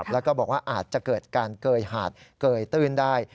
แล้วก็บอกว่าอาจจะเกิดการเกยหาดเกยตื้นได้